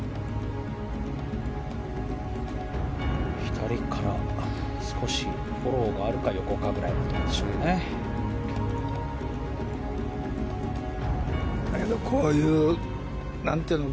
左から少しフォローがあるかくらいでしょうね。